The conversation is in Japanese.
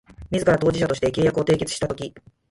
自ら当事者として契約を締結したとき